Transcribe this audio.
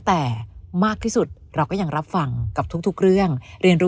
แต่มากที่สุดเราก็ยังรับฟังกับทุกเรื่องเรียนรู้